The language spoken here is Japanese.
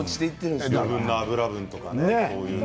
余分な脂分とかね。